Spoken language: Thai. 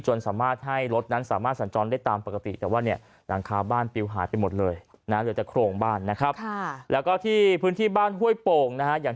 จนสามารถให้รถนั้นสามารถสันจรได้ตามปกติแต่ว่าหลังคาบ้านปิวหายไปหมดเลย